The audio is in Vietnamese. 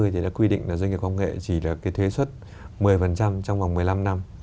thì đã quy định là doanh nghiệp công nghệ chỉ là cái thuế xuất một mươi trong vòng một mươi năm năm